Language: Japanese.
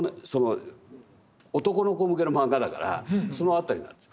男の子向けのマンガだからその辺りなんです。